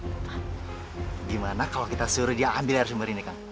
gimana kalau kita suruh dia ambil dari sumber ini kang